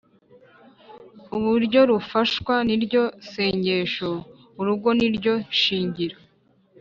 uburyo rufashwa n’iryo sengesho: “urugo niryo shingiro